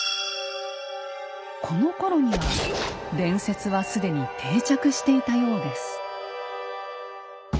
このころには伝説は既に定着していたようです。